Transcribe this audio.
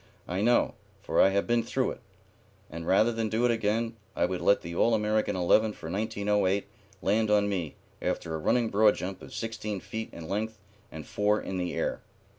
I know, for I have been through it; and rather than do it again I would let the All American eleven for 1908 land on me after a running broad jump of sixteen feet in length and four in the air."